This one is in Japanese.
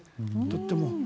とっても。